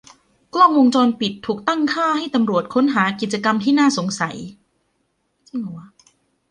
กล้องวงจรปิดถูกตั้งค่าให้ตำรวจค้นหากิจกรรมที่น่าสงสัย